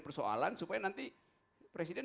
persoalan supaya nanti presiden